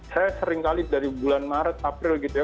saya sering kali dari bulan maret april gitu ya